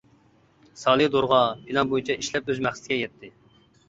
سالى دورغا پىلان بويىچە ئىشلەپ ئۆز مەقسىتىگە يەتتى.